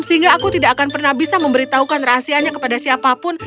sehingga aku tidak akan pernah bisa memberitahukan rahasianya kepada siapapun